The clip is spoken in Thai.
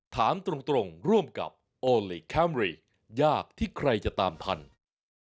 ถามตรงร่วมกับโอลี่คัมรี่ยากที่ใครจะตามทัน